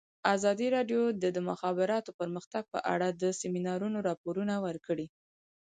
ازادي راډیو د د مخابراتو پرمختګ په اړه د سیمینارونو راپورونه ورکړي.